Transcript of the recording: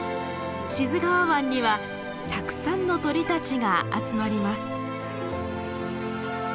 志津川湾にはたくさんの鳥たちが集まります。